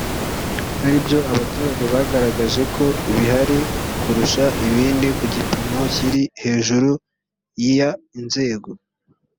aribyo abaturage bagaragaje ko bihari kurusha ibindi ku gipimo kiri hejuru ya inzego